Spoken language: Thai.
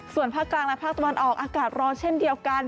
ส่วนภาคกลางและภาคตะวันออกอากาศร้อนเช่นเดียวกัน